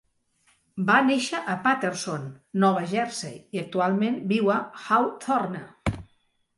Va néixer a Paterson, Nova Jersey, i actualment viu a Hawthorne.